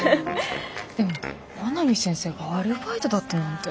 でも阿南先生がアルバイトだったなんて。